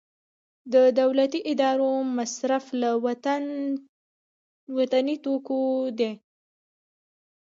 د دولتي ادارو مصرف له وطني توکو دی